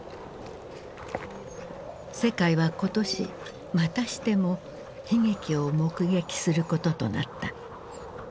世界は今年またしても悲劇を目撃することとなった。